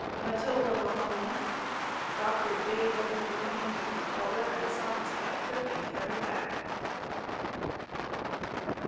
MATILDA MAHONEY, DR. J.W. PENNINGTON'S BROTHER AND SONS CAPTURED AND CARRIED BACK.